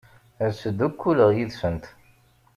Ad ttdukkuleɣ yid-sent.